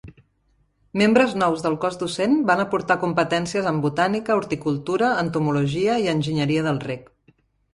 Membres nous del cos docent van aportar competències en botànica, horticultura, entomologia i enginyeria del reg.